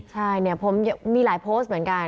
ใช่เนี่ยผมมีหลายโพสต์เหมือนกัน